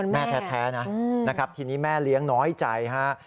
แม่แท้นะนะครับทีนี้แม่เลี้ยงน้อยใจฮะ